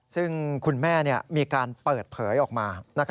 ซึ่งคุณแม่มีการเปิดเผยออกมา